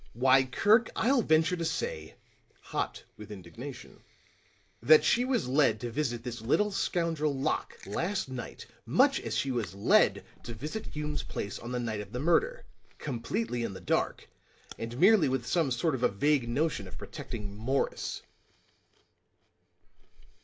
Why, Kirk, I'll venture to say," hot with indignation, "that she was led to visit this little scoundrel Locke, last night, much as she was led to visit Hume's place on the night of the murder completely in the dark, and merely with some sort of a vague notion of protecting Morris."